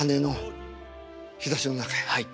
はい。